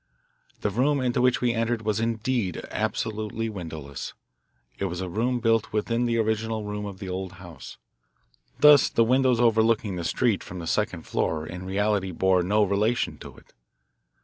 The room into which we entered was indeed absolutely windowless. It was a room built within the original room of the old house. Thus the windows overlooking the street from the second floor in reality bore no relation to it.